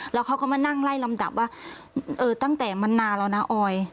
แล้วเขาก็มานั่งไล่ลำดับว่าเออตั้งแต่มันนานแล้วนะออย